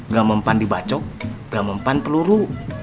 gak mempan di bacok gak mempan peluru